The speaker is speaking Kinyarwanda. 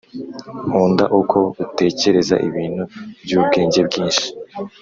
nkunda uko utekereza ibintu byubwenge bwinshi